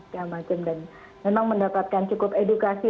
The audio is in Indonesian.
dan memang mendapatkan cukup edukasi